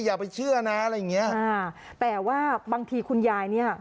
อย่าไปเชื่อนะอะไรอย่างเงี้ยอ่าแต่ว่าบางทีคุณยายเนี้ย